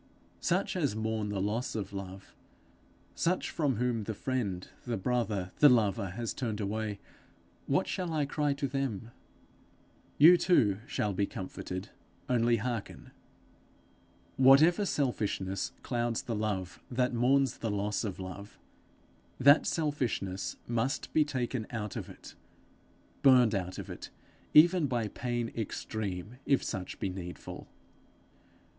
Such as mourn the loss of love, such from whom the friend, the brother, the lover, has turned away what shall I cry to them? You too shall be comforted only hearken: Whatever selfishness clouds the love that mourns the loss of love, that selfishness must be taken out of it burned out of it even by pain extreme, if such be needful.